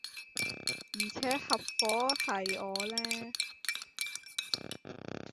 而且合夥喫我呢？